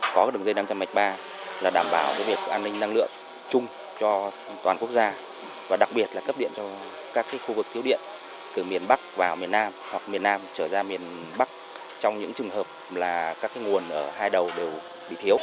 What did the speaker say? có đường dây năm trăm linh m ba là đảm bảo việc an ninh năng lượng chung cho toàn quốc gia và đặc biệt là cấp điện cho các khu vực thiếu điện từ miền bắc vào miền nam hoặc miền nam trở ra miền bắc trong những trường hợp là các nguồn ở hai đầu đều bị thiếu